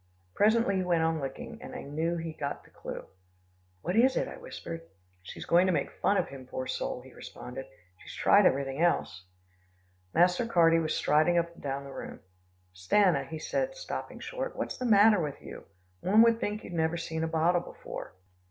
Presently he went on licking, and I knew he had got the clue. "What is it?" I whispered. "She's going to make fun of him, poor soul!" he responded. "She's tried everything else." Master Carty was striding up and down the room. "Stanna," he said stopping short, "what's the matter with you? One would think you'd never seen a bottle before."